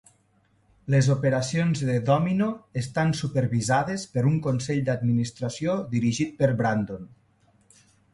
Les operacions de Domino estan supervisades per un Consell d'Administració dirigit per Brandon.